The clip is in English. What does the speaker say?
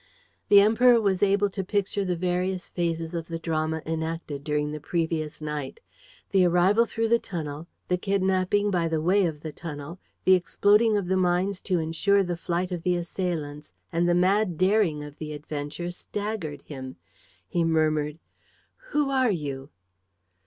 The Emperor was able to picture the various phases of the drama enacted during the previous night: the arrival through the tunnel, the kidnapping by the way of the tunnel, the exploding of the mines to ensure the flight of the assailants; and the mad daring of the adventure staggered him. He murmured: "Who are you?"